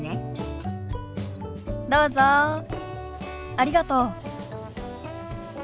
ありがとう。